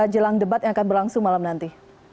jelang debat yang akan berlangsung malam nanti